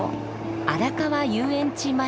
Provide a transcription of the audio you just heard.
荒川遊園地前。